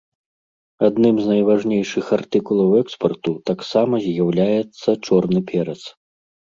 Адным з найважнейшых артыкулаў экспарту таксама з'яўляецца чорны перац.